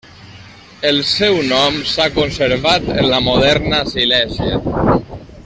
El seu nom s'ha conservat en la moderna Silèsia.